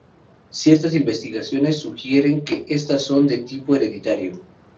Ciertas investigaciones sugieren que estas son de tipo hereditario.